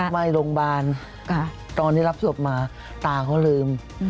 ไม่โรงพยาบาลตอนที่รับศพมาตาเขาลืม